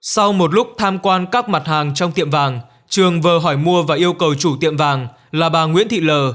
sau một lúc tham quan các mặt hàng trong tiệm vàng trường vừa hỏi mua và yêu cầu chủ tiệm vàng là bà nguyễn thị lờ